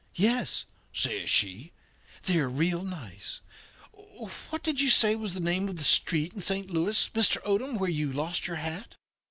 "'Yes,' says she, 'they're real nice. What did you say was the name of that street in Saint Louis, Mr. Odom, where you lost your hat?'